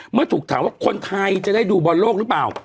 เมื่อถูกถามว่าคนไทยจะได้ดูบอลโลกหรือเปล่า